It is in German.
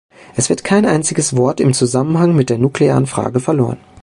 Es wird kein einziges Wort im Zusammenhang mit der nuklearen Frage verloren.